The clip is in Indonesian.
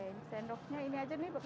ini sendoknya ini aja nih